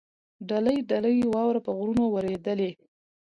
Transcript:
دلۍ دلۍ واوره په غرونو ورېدلې.